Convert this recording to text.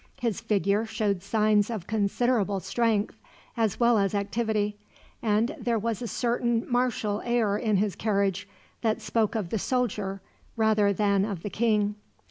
His figure showed signs of considerable strength as well as activity, and there was a certain martial air in his carriage that spoke of the soldier rather than of the king.